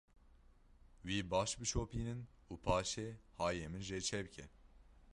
Wî baş bişopînin û paşê hayê min jê çêbike.